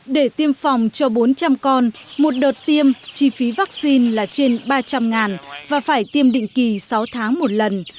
để tiêm phòng cho bốn trăm linh con một đợt tiêm chi phí vaccine là trên ba trăm linh và phải tiêm định kỳ sáu tháng một lần